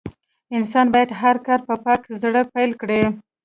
انسان بايد هر کار په پاک زړه پيل کړي.